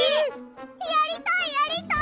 やりたいやりたい！